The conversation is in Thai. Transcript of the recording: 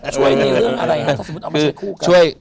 ช่วยเรื่องอะไรถ้าสมมุติเอามาใช้คู่กัน